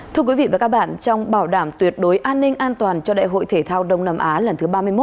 thưa quý vị và các bạn trong bảo đảm tuyệt đối an ninh an toàn cho đại hội thể thao đông nam á lần thứ ba mươi một